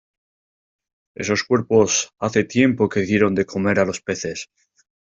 esos cuerpos hace tiempo que dieron de comer a los peces.